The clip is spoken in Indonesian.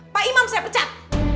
pak imam saya pecat